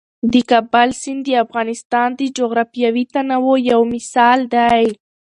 د کابل سیند د افغانستان د جغرافیوي تنوع یو مثال دی.